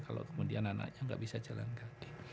kalau kemudian anaknya nggak bisa jalan kaki